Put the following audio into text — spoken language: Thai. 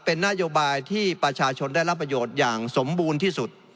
เป็นนโยบายที่ประชาชนได้รับประโยชน์อย่างสมบูรณ์ที่สุด